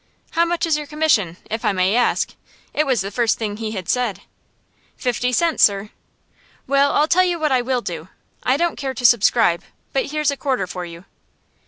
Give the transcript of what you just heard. "How much is your commission, if I may ask?" It was the first thing he had said. "Fifty cents, sir." "Well, I'll tell you what I will do. I don't care to subscribe, but here's a quarter for you."